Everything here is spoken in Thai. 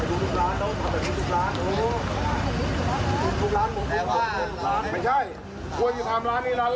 อู้วววว